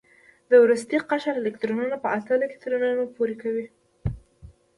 د وروستي قشر الکترونونه په اته الکترونونو پوره کوي.